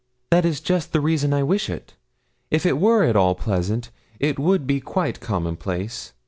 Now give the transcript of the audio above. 'That is just the reason I wish it. If it were at all pleasant, it would be quite commonplace.